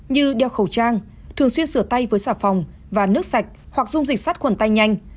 như đeo khẩu trang thường xuyên sửa tay với xà phòng và nước sạch hoặc dung dịch sát khuẩn tay nhanh